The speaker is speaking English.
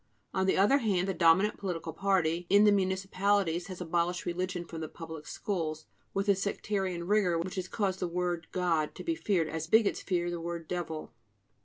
On the other hand, the dominant political party in the municipalities has abolished religion from the public schools with a sectarian rigor which causes the word "God" to be feared as bigots fear the word "devil."